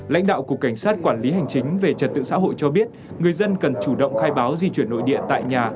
lãnh đạo cục cảnh sát quản lý hành chính về trật tự xã hội cho biết người dân cần chủ động khai báo di chuyển nội địa tại nhà